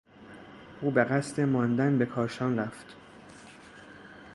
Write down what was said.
او به قصد ماندن به کاشان رفت.